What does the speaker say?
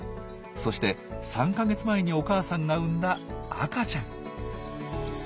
そして３か月前にお母さんが産んだ赤ちゃん。